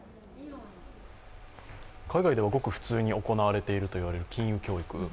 海外ではごく普通に行われているという金融教育。